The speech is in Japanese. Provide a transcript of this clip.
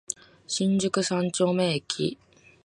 新宿三丁目駅